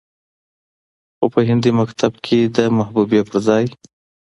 خو په هندي مکتب کې د محبوبې پرځاى